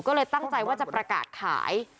ก็เลยตั้งใจว่าจะประกาศขาย